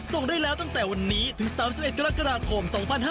ส่งได้แล้วตั้งแต่วันนี้ถึง๓๑กรกฎาคม๒๕๕๙